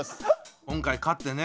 今回勝ってね。